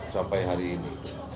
sampai hari ini